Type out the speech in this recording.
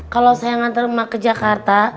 kalau saya nganterin ma ke jakarta